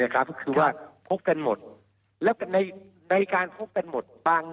นะครับก็คือว่าพบกันหมดแล้วกันในในการพบกันหมดบาง